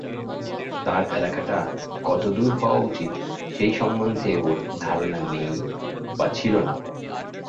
তার এলাকাটা কতদূর হওয়া উচিত সেই সম্বন্ধে ওর ধারণা নেই বা ছিল না।